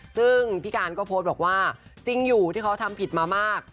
ซึ่งพี่การก็โพสต์บอกว่าจริงอยู่ที่เขาทำผิดมามาก